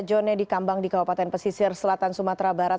john nedi kambang di kabupaten pesisir selatan sumatera barat